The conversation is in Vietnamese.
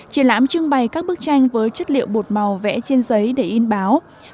triển lãm trưng bày các bức tranh với chất liệu bột màu vẽ trên giấy để in báo